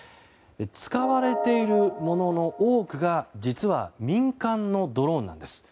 使われているものの多くが実は民間のドローンなんです。